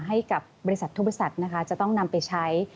ให้กับบริษัททุกบริษัทนะคะจะต้องนำไปใช้